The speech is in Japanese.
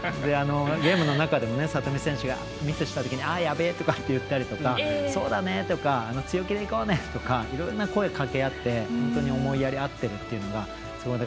ゲームの中でも里見選手がミスしたときに「やべえ」とか言ったり「そうだね」とか「強気でいこうね！」とかいろんな声をかけ合って思いやり合ってるっていうのが。